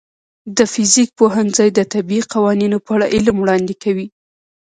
د فزیک پوهنځی د طبیعي قوانینو په اړه علم وړاندې کوي.